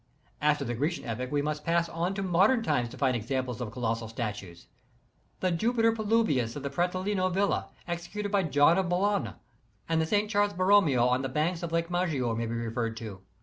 After the Grecian epoch we must pass on to modern times to find examples of colossal statues. The Jupiter Pluvius of the Pratolino Villa, executed by John of Bologna, 39 and the St Charles Borromeo on the banks of Lake Mag giore, may be referred to.